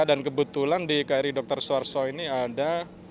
kebetulan di kri dr suarso ini ada